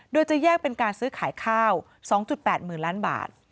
โดยจะแยกเป็นการซื้อขายข้าว๒๘๐๐๐ล้านบาท